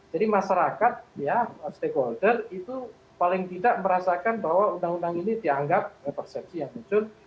jadi masyarakat stakeholder itu paling tidak merasakan bahwa undang undang ini dianggap persepsi yang muncul